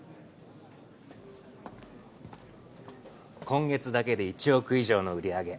今月だけで１億以上の売り上げ。